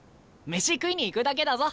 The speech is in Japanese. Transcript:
飯食いに行くだけだぞ。